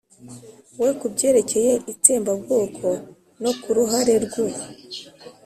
we ku byerekeye itsembabwoko no ku ruhare rw'u